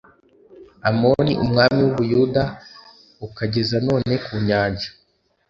Amoni umwami w u Buyuda ukageza none kunyanja